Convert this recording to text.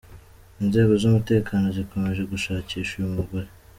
Inzego z’umutekano zikomeje gushakisha uyu mugore.